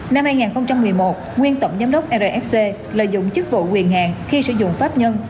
năm hai nghìn một mươi một nguyên tổng giám đốc rfc lợi dụng chức vụ quyền hạn khi sử dụng pháp nhân